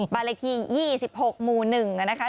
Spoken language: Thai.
บ้านเลขที่๒๖หมู่๑นะคะ